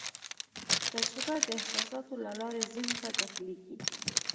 تجربه د احساساتو له لارې ذهن ته داخلېږي.